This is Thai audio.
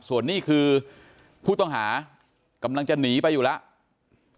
ส่วนนี้คือผู้ต้องหากำลังจะหนีไปอยู่แล้ว